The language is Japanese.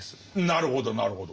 なるほどなるほど。